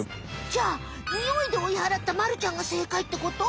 じゃあニオイで追い払ったまるちゃんが正解ってこと？